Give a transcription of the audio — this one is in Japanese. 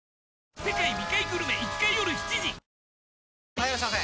・はいいらっしゃいませ！